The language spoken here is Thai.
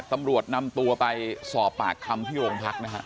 ตำรวจนำตัวไปสอบปากคำที่โรงพักนะฮะ